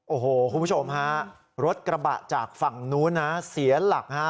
โอ้โหคุณผู้ชมฮะรถกระบะจากฝั่งนู้นนะเสียหลักฮะ